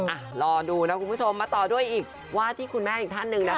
อ่ะรอดูนะคุณผู้ชมมาต่อด้วยอีกว่าที่คุณแม่อีกท่านหนึ่งนะคะ